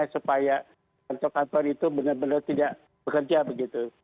supaya kantor kantor itu benar benar tidak bekerja begitu